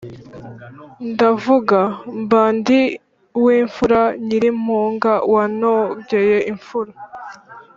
Ndavuga Mbandiwimfura nyirimpunga wanogeye imfura.